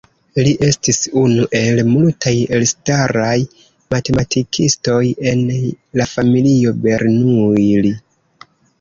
Li estis unu el multaj elstaraj matematikistoj en la familio Bernoulli.